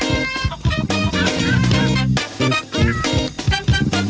โว้ย